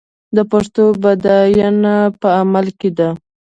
د پښتو بډاینه په عمل کې ده.